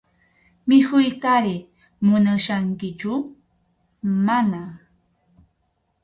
¿Mikhuytari munachkankichu?- Mana.